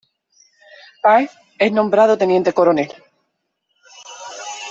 Páez es nombrado teniente coronel.